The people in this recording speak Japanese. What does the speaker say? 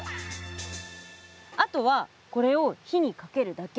あとはこれを火にかけるだけ。